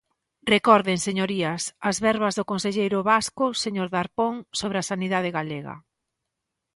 Recorden, señorías, as verbas do conselleiro vasco, señor Darpón, sobre a sanidade galega.